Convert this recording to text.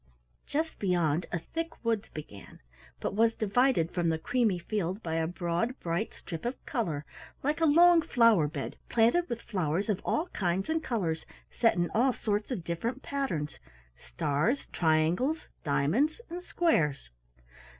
Just beyond a thick woods began, but was divided from the creamy field by a broad bright strip of color, like a long flower bed planted with flowers of all kinds and colors set in all sorts of different patterns stars, triangles, diamonds, and squares.